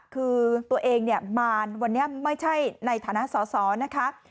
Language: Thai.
คือตัวเองเนี่ยมารวันนี้ไม่ใช่ในฐานะสอสอนะคะ